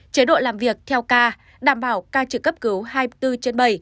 chế độ làm việc theo ca đảm bảo ca trực cấp cứu hai mươi bốn trên bảy